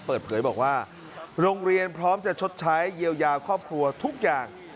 เปิดเผยบอกว่าโรงเรียนพร้อมจะชดใช้เยียวยาครอบครัวทุกอย่าง